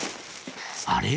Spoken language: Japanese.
あれ？